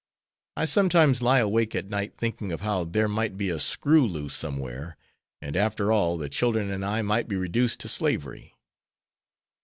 I sometimes lie awake at night thinking of how there might be a screw loose somewhere, and, after all, the children and I might be reduced to slavery."